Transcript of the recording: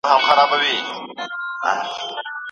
د ښار ژوند د کډه په شا نظام په پرتله مختلف دی.